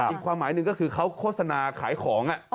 อีกความหมายหนึ่งก็คือเขาโฆษณาขายของ